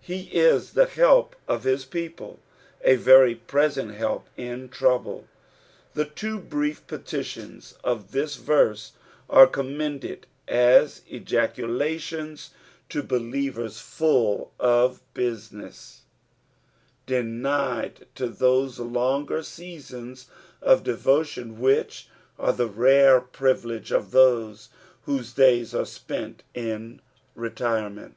He is the help of his people, a very present help in double. The two brief petitions of this verse are commended as ejaculations to believers full of business, denied to those longer seasons of devotion which ore the rare privilege of those whose days are spent in retirement.